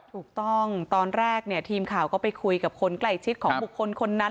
ถูกต้องตอนแรกเนี่ยทีมข่าวก็ไปคุยกับคนใกล้ชิดของบุคคลคนนั้น